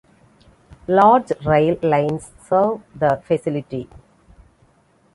Large rail lines serve the facility.